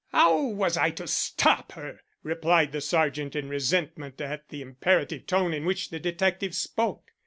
"How was I to stop her?" replied the sergeant, in resentment at the imperative tone in which the detective spoke.